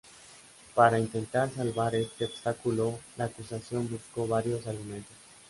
Para intentar salvar este obstáculo, la acusación buscó varios argumentos.